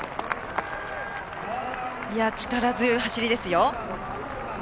力強い走りですよ。